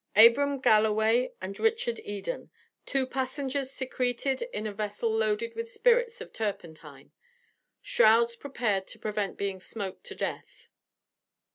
ABRAM GALLOWAY AND RICHARD EDEN, TWO PASSENGERS SECRETED IN A VESSEL LOADED WITH SPIRITS OF TURPENTINE. SHROUDS PREPARED TO PREVENT BEING SMOKED TO DEATH.